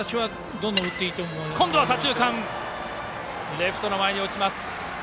レフトの前に落ちます。